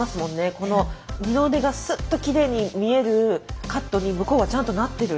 この二の腕がスッときれいに見えるカットに向こうはちゃんとなってる。